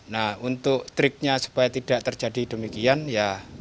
nah untuk triknya supaya tidak terjadi demikian ya